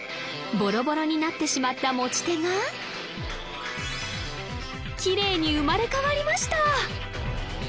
ボロボロになってしまった持ち手がきれいに生まれ変わりました！